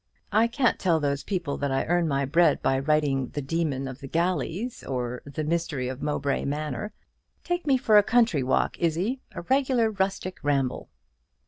I can't tell those people that I earn my bread by writing 'The Demon of the Galleys,' or 'The Mystery of Mowbray Manor.' Take me for a country walk, Izzie; a regular rustic ramble."